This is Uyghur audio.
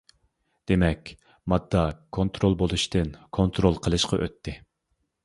دېمەك، ماددا كونترول بولۇشتىن كونترول قىلىشقا ئۆتتى.